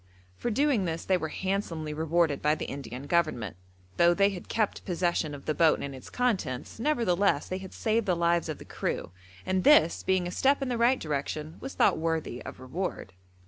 For doing this they were handsomely rewarded by the Indian Government, though they had kept possession of the boat and its contents; nevertheless, they had saved the lives of the crew, and this, being a step in the right direction, was thought worthy of reward.